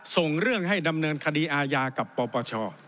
ส่งเรื่องให้ดำเนินคดีอาญากับปปช